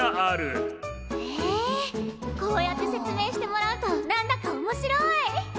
へえこうやって説明してもらうと何だかおもしろい！